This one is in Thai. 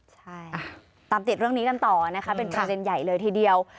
ใช่ตามติดเรื่องนี้กันต่อนะคะเป็นประเด็นใหญ่เลยทีเดียว